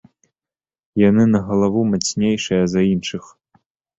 Яны на галаву мацнейшыя за іншых.